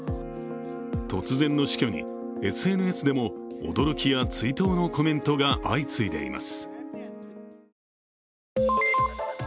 突然の死去に、ＳＮＳでも驚きや追悼のコメントが相次いでいます。